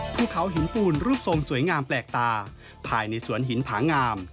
ภูเขาหินปูนรูปทรงสวยงามแปลกตาภายในสวนหินผางาม